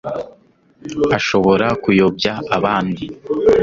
ashobora kuyobya abandi